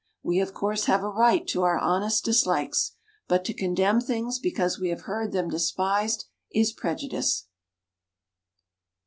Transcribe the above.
We of course have a right to our honest dislikes; but to condemn things because we have heard them despised, is prejudice.